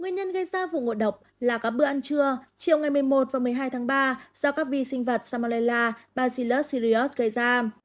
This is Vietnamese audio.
nguyên nhân gây ra vụ ngộ độc là các bữa ăn trưa chiều ngày một mươi một và một mươi hai tháng ba do các vi sinh vật samalela basila sirius gây ra